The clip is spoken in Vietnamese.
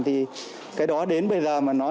thì cái đó đến bây giờ mà nói